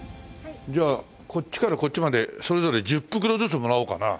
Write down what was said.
じゃあこっちからこっちまでそれぞれ１０袋ずつもらおうかな。